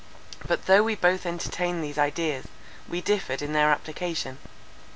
But though we both entertained these ideas, we differed in their application.